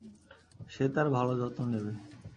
সে তার ভালো যত্ন নেবে।